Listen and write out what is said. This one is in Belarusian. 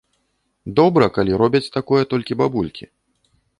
Добра, калі робяць такое толькі бабулькі.